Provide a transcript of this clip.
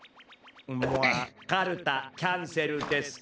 かるたキャンセルですか？